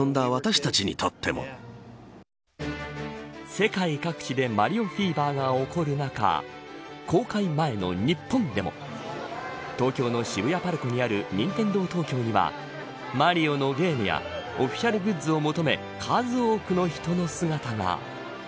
世界各地でマリオフィーバーが起こる中公開前の日本でも東京の渋谷パルコにあるニンテンドー・トーキョーにはマリオのゲームやオフィシャルグッズを求め数多くの人の姿が。